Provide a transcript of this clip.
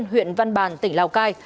huyện văn bản tỉnh lào cai